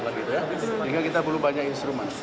jadi kita perlu banyak instrumen